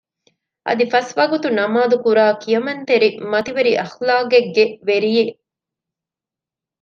އަދި ފަސްވަގުތު ނަމާދުކުރާ ކިޔަމަންތެރި މަތިވެރި އަޚްލާގެއްގެ ވެރިއެއް